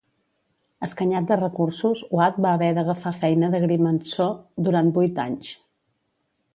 Escanyat de recursos, Watt va haver d'agafar feina d'agrimensor durant vuit anys.